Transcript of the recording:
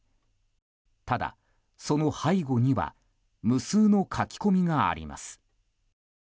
ただ、その背後には無数の書き込みがあります。